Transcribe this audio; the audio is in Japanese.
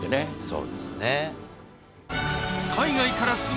そうですね。